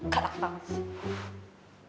kalak banget sih